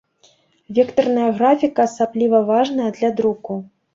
Вектарная графіка асабліва важная для друку.